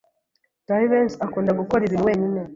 Jivency akunda gukora ibintu wenyine.